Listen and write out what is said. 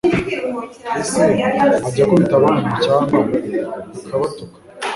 Ese ajya akubita abandi cyangwa akabatuka